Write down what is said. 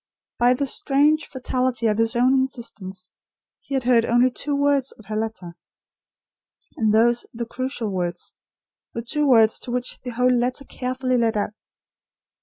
By the strange fatality of his own insistence, he had heard only two words of her letter, and those the crucial words; the two words to which the whole letter carefully led up.